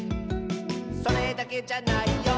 「それだけじゃないよ」